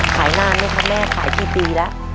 ขายหน้าไหมคะแม่ขายที่ปีแล้ว